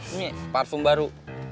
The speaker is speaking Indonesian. ini parfum baru